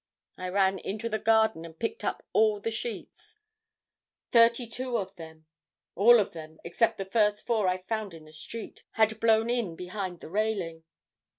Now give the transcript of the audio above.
I ran into the Garden and picked up all the sheets, thirty two of them. All of them, except the first four I found in the street, had blown in behind the railing.